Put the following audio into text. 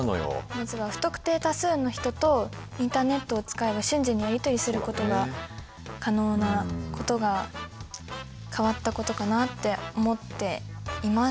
まずは不特定多数の人とインターネットを使えば瞬時にやり取りすることが可能なことが変わったことかなって思っています。